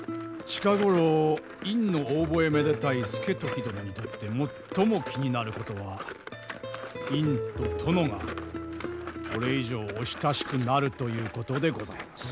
近頃院のお覚えめでたい資時殿にとって最も気になることは院と殿がこれ以上お親しくなるということでございます。